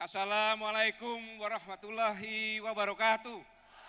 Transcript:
assalamualaikum warahmatullahi wabarakatuh